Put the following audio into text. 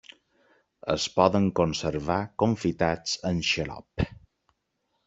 Es poden conservar confitats en xarop.